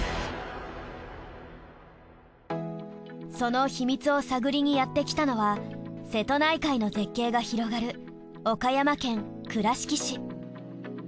その秘密を探りにやってきたのは瀬戸内海の絶景が広がる岡山県倉敷市。